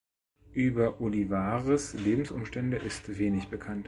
Über Olivares' Lebensumstände ist wenig bekannt.